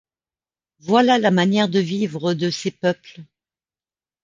Voilà la manière de vivre de ces peuples.